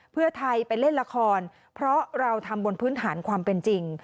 เพื่อไทยไปเล่นละครเพราะเราทำบนพื้นฐานความเป็นจริง